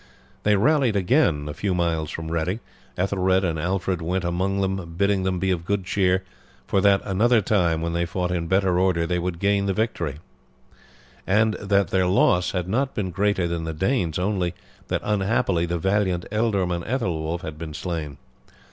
They rallied again a few miles from Reading. Ethelred and Alfred went among them bidding them be of good cheer, for that another time, when they fought in better order, they would gain the victory; and that their loss had not been greater than the Danes, only that unhappily the valiant Ealdorman Aethelwulf had been slain.